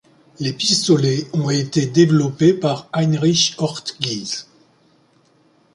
Les pistolets ont été développés par Heinrich Ortgies.